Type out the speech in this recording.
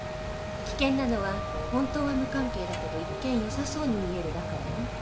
危険なのは本当は無関係だけど一見よさそうに見える「だから」ね。